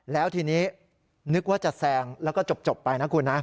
แล้วทีนี้นึกว่าจะแซงแล้วก็จบไปนะคุณนะ